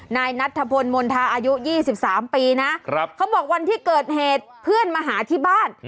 นายนัทธพลมณฑาอายุ๒๓ปีนะเขาบอกวันที่เกิดเหตุเพื่อนมาหาที่บ้าน